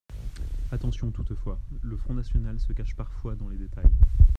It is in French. Attention toutefois, le Front national se cache parfois dans les détails.